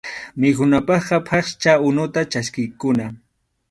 Mikhunapaqqa phaqcha unuta chaskikuna.